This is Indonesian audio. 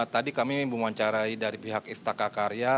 tadi kami mewawancarai dari pihak istaka karya